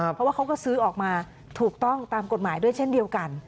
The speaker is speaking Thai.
เพราะว่าเขาก็ซื้อออกมาถูกต้องตามกฎหมายด้วยเช่นเดียวกัน